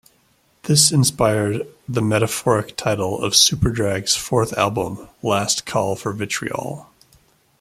This inspired the metaphoric title of Superdrag's fourth album, "Last Call for Vitriol".